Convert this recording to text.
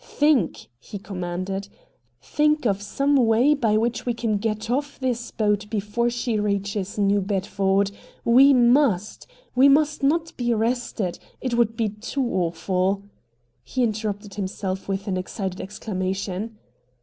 "Think!" he commanded. "Think of some way by which we can get off this boat before she reaches New Bedford. We MUST! We must not be arrested! It would be too awful!" He interrupted himself with an excited exclamation.